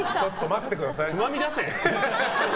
つまみ出せ。